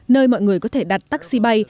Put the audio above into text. nơi mọi người có thể đặt taxi bay